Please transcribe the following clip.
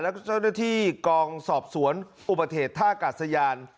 แล้วก็เจ้าหน้าที่กองสอบสวนอุบัติเหตุท่ากาศยาน